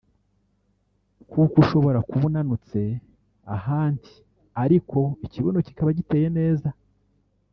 kuko ushobora kuba unanutse ahandi ariko ikibuno kikaba giteye neza